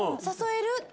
誘える？